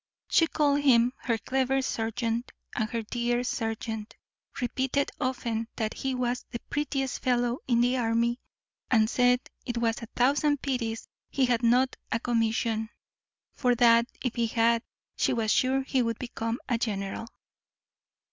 She called him her clever serjeant, and her dear serjeant, repeated often that he was the prettiest fellow in the army, and said it was a thousand pities he had not a commission; for that, if he had, she was sure he would become a general.